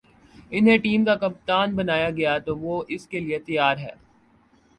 انہیں ٹیم کا کپتان بنایا گیا تو وہ اس کے لیے تیار ہیں